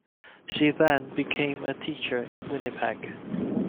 She then became a teacher in Winnipeg.